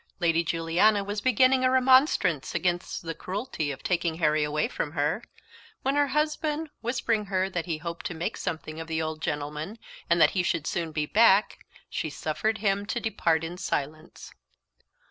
Lady Juliana was beginning a remonstrance against the cruelty of taking Harry away from her, when her husband whispering her that he hoped to make something of the old gentleman, and that he should soon be back, she suffered him to depart in silence.